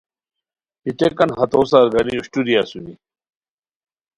پیٹیکان ہتو سارگانی اوشٹوری اسونی